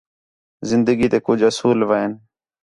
زندگی تے کُج اُصول وین